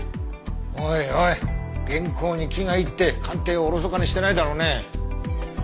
おいおい原稿に気がいって鑑定をおろそかにしてないだろうね。